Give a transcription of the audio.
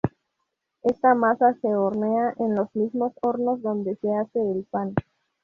Esta masa se hornea en los mismos hornos donde se hace el pan.